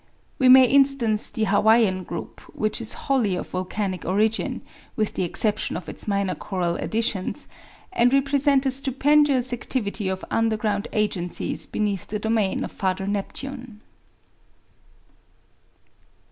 We may instance the Hawaiian group, which is wholly of volcanic origin, with the exception of its minor coral additions, and represents a stupendous activity of underground agencies beneath the domain of Father Neptune.